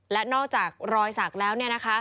และนอกจากรอยสักแล้ว